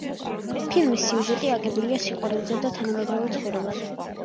ფილმის სიუჟეტი აგებულია სიყვარულზე და თანამედროვე ცხოვრებაზე.